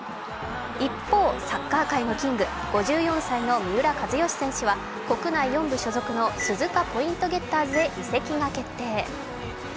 一方、サッカー界のキング、５４歳の三浦知良選手は国内４部の鈴鹿ポイントゲッターズへ移籍が決定。